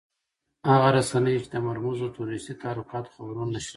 هغه رسنۍ چې د مرموزو تروريستي تحرکاتو خبرونه نشروي.